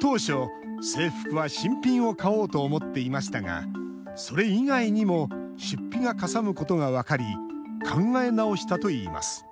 当初、制服は新品を買おうと思っていましたがそれ以外にも出費がかさむことが分かり考え直したといいます